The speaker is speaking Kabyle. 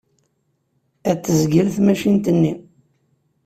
Ad tezgel tamacint-nni.